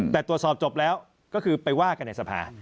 แต่ตรวจสอบจบแล้วก็คือไปว่ากันในสภา